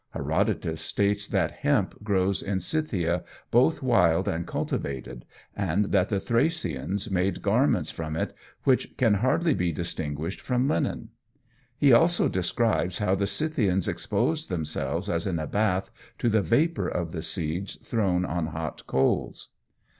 Herodotus states that hemp grows in Scythia both wild and cultivated, and that the Thracians made garments from it which can hardly be distinguished from linen. He also describes "how the Scythians exposed themselves as in a bath" to the vapour of the seeds thrown on hot coals.